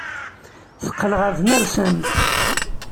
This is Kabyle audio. Teqqel ɣer tnersamt.